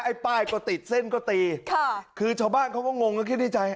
ป้ายก็ติดเส้นก็ตีค่ะคือชาวบ้านเขาก็งงก็คิดในใจ